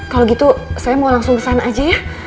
kalo gitu saya mau langsung kesana aja ya